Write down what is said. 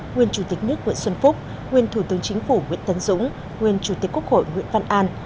nguyên chủ tịch nước nguyễn xuân phúc nguyên thủ tướng chính phủ nguyễn tấn dũng nguyên chủ tịch quốc hội nguyễn văn an